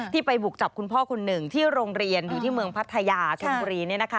ไปบุกจับคุณพ่อคนหนึ่งที่โรงเรียนอยู่ที่เมืองพัทยาชนบุรี